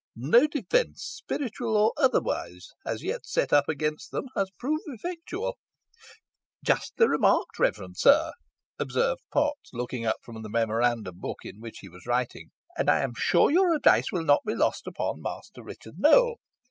No defence, spiritual or otherwise, as yet set up against them, has proved effectual." "Justly remarked, reverend sir," observed Potts, looking up from the memorandum book in which he was writing, "and I am sure your advice will not be lost upon Master Roger Nowell.